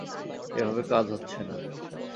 এভাবে কাজ হচ্ছে না।